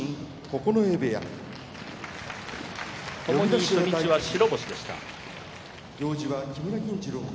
初日は白星でした。